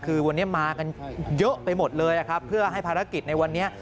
คือวันนี้มากันเยอะไปหมดเลยนะครับเพื่อให้ภารกิจในวันนี้